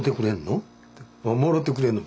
「もろうてくれんの？